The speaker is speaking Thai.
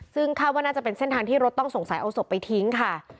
ซึ่งคาดว่าน่าจะเป็นเส้นทางที่รถต้องสงสัยเอาศพไปทิ้งค่ะ